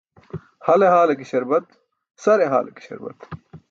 Hale haale ke śarbat, sare haale ke śarbat.